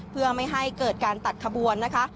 เพื่อไม่ให้เกิดการตัดขบวนนะคะ